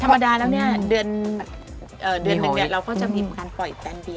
ธรรมดาแล้วเนี่ยเดือนมากแบบนี้